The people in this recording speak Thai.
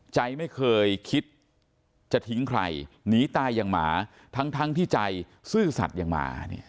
ใจไม่เคยคิดจะทิ้งใครหนีตายอย่างหมาทั้งที่ใจซื่อสัตว์อย่างหมา